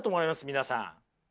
皆さん。